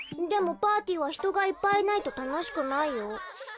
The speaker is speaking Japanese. でもパーティーはひとがいっぱいいないとたのしくないよ。